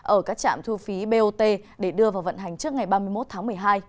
ở các trạm thu phí bot để đưa vào vận hành trước ngày ba mươi một tháng một mươi hai